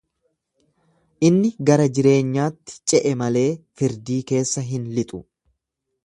Inni gara jireenyaatti ce’e malee firdii keessa hin lixu.